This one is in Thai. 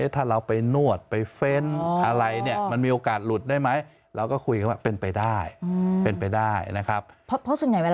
ถ้าเราไปนวดไปเฟ้นอะไรเนี่ยมันมีโอกาสหลุดได้ไหม